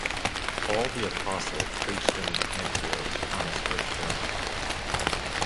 Paul the Apostle preached in Antioch on his first journey.